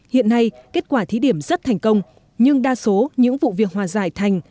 hiện nay kết quả thí điểm rất thành công nhưng đa số những vụ việc hòa giải thành